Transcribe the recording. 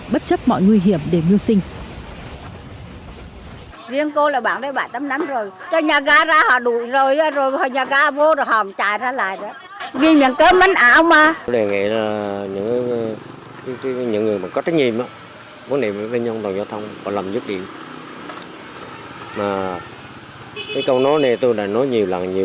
bất chấp mọi người